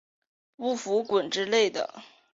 不服滚之类的